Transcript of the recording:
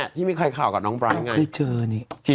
ที่ไม่เคยข่ากับน้องไบร์สไง